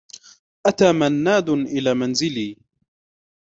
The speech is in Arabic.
أتى منّاد إلى منزلي.